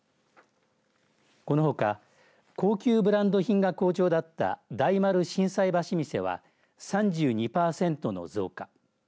このほか高級ブランド品が好調だった大丸心斎橋店は３２パーセントの増加。